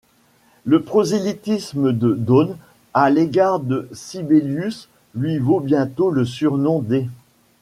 Le prosélytisme de Downes à l'égard de Sibelius lui vaut bientôt le surnom d'.